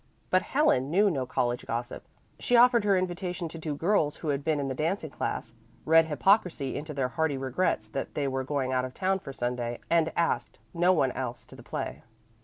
But Helen knew no college gossip. She offered her invitation to two girls who had been in the dancing class, read hypocrisy into their hearty regrets that they were going out of town for Sunday, and asked no one else to the play.